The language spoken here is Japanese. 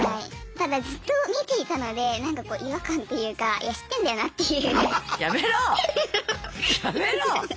ただずっと見ていたのでなんかこう違和感っていうかいや知ってんだよなっていう。